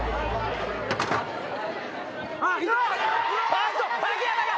あっと秋山が！